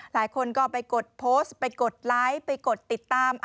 หลายคนก็ไปกดโพสต์ไปกดไลค์ไปกดติดตาม